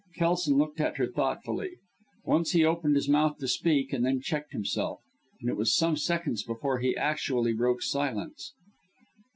Kelson looked at her thoughtfully. Once he opened his mouth to speak and then checked himself; and it was some seconds before he actually broke silence.